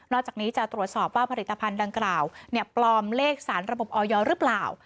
จากนี้จะตรวจสอบว่าผลิตภัณฑ์ดังกล่าวปลอมเลขสารระบบออยหรือเปล่า